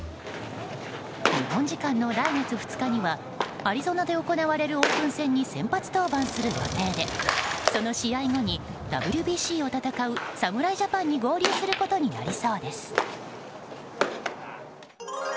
日本時間の来月２日にはアリゾナで行われるオープン戦に先発登板する予定でその試合後にＷＢＣを戦う侍ジャパンに合流することになりそうです。